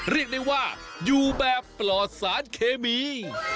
เรียกได้ว่าอยู่แบบปลอดสารเคมี